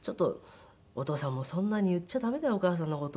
「お父さんもうそんなに言っちゃダメだよお母さんの事」